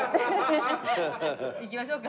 行きましょうか。